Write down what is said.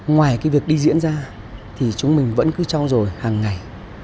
ngoài cái việc đi diễn ra thì chúng mình vẫn cứ trao dồi hàng ngày